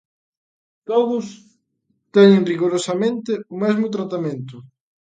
Todos teñen rigorosamente o mesmo tratamento.